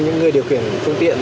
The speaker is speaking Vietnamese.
những người điều khiển phương tiện